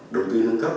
đầu tư nâng cấp